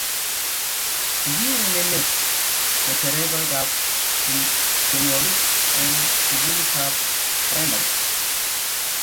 kikiurerenen ng'echeroikab tienwokik eng sukulitab praimari